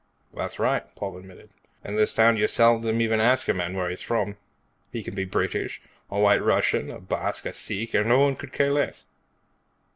"That's right," Paul admitted. "In this town you seldom even ask a man where's he's from. He can be British, a White Russian, a Basque or a Sikh and nobody could care less.